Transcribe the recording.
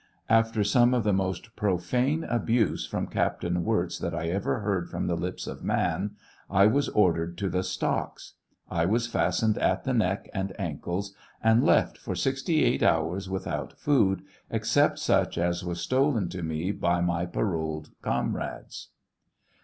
After some of the most profane abuse'from Captain Wirz that I ever heard from the lips of man I was ordered to the stocks. I was fastened at the neck and ankles aud left for 68 hours without food, except such as was stolen to me by my paroled comrades.